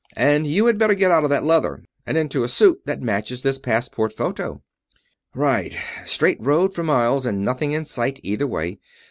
And you had better get out of that leather and into a suit that matches this passport photo." "Right. Straight road for miles, and nothing in sight either way.